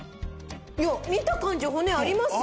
いや見た感じ骨ありますよ。